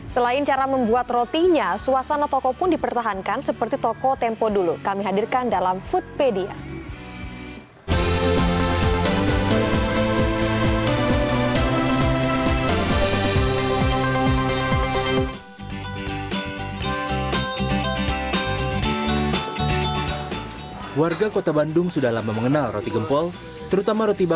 selain cara membuat rotinya suasana toko pun dipertahankan seperti toko tempo dulu kami hadirkan dalam foodpedia